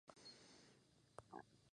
La Chartre-sur-le-Loir